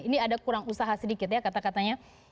ini ada kurang usaha sedikit ya kata katanya